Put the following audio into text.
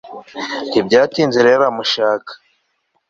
ntibyatinze rero aramushaka